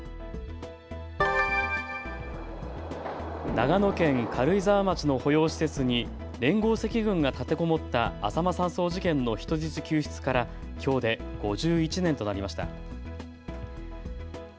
長野県軽井沢町の保養施設に連合赤軍が立てこもったあさま山荘事件の人質救出からきょうで５１年となりました。